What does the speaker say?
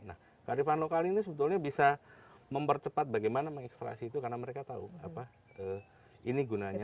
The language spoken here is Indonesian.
nah kearifan lokal ini sebetulnya bisa mempercepat bagaimana mengekstrasi itu karena mereka tahu apa ini gunanya